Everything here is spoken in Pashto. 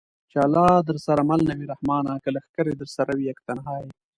چې الله درسره مل نه وي رحمانه! که لښکرې درسره وي یک تنها یې